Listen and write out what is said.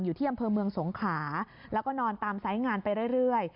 อยู่ที่อำเภอเมืองสงขาแล้วก็นอนตามไซส์งานไปเรื่อย